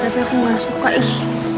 tapi aku gak suka ih